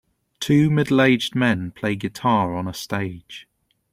Two middleaged men play guitar on a stage.